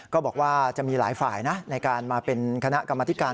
ก็จะมีหลายฝ่ายนะในการมาเป็นคณะกรรมธิการ